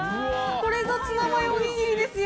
これぞツナマヨお握りですよ。